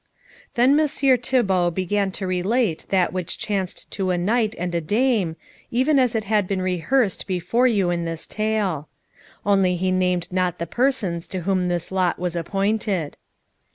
Then Messire Thibault began to relate that which chanced to a knight and a dame, even as it has been rehearsed before you in this tale; only he named not the persons to whom this lot was appointed.